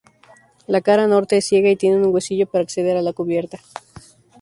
La cara norte es ciega y tiene un husillo para acceder a la cubierta.